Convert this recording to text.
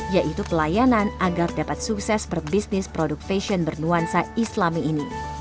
yaitu pelayanan agar dapat sukses berbisnis produk fashion bernuansa islami ini